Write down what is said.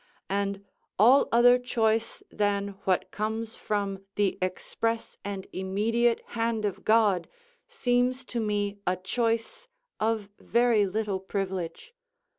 And all other choice than what comes from the express and immediate hand of God seems to me a choice of very little privilege.